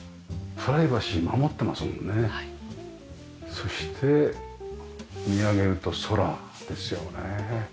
そして見上げると空ですよね。